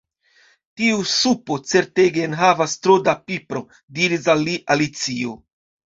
"Tiu supo certege enhavas tro da pipro," diris al si Alicio.